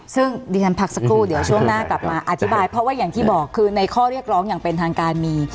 ซึ่งดิฉันพักสักครู่เดี๋ยวช่วงหน้ากลับมาอธิบายเพราะว่าอย่างที่บอกคือในข้อเรียกร้องอย่างเป็นทางการมี